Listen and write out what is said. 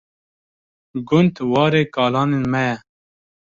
Gund warê kalanên me ye.